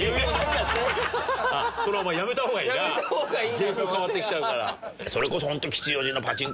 芸風変わって来ちゃうから。